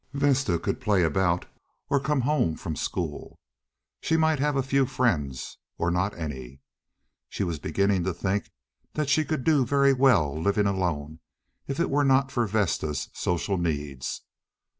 Vesta could play about or come home from school. She might have a few friends, or not any. She was beginning to think that she could do very well living alone if it were not for Vesta's social needs.